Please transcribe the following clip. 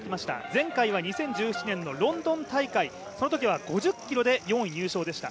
前回は２０１７年のロンドン大会そのときは５０ｋｍで４位入賞でした。